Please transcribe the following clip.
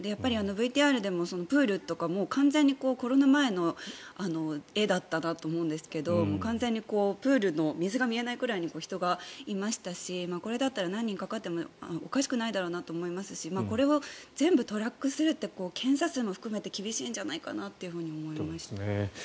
ＶＴＲでもプールとか完全にコロナ前の画だったなと思うんですが完全にプールの水が見えないくらいに人がいましたしこれだったら何人かかってもおかしくないだろうなと思いますしこれは全部トラックするって検査数も含めて厳しいんじゃないかなと思います。